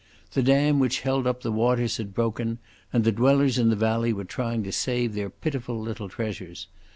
The dam which held up the waters had broken and the dwellers in the valley were trying to save their pitiful little treasures.